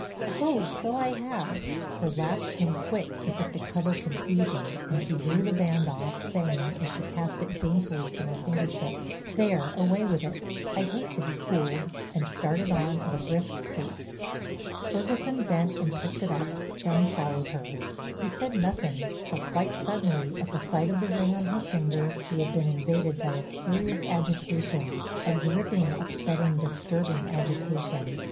"Oh, so I have." Her laugh came quick as if to cover confusion and she drew the band off, saying, as she cast it daintily from her finger tips, "There—away with it. I hate to be fooled," and started on at a brisk pace. Ferguson bent and picked it up, then followed her. He said nothing for quite suddenly, at the sight of the ring on her finger, he had been invaded by a curious agitation, a gripping, upsetting, disturbing agitation.